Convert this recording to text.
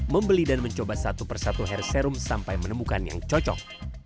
membeli dan mencoba satu persatu hair serum sampai menemukan yang cocok